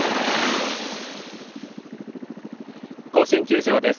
甲子園球場です。